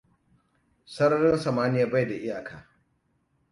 Sararin samaniya bai da iyaka.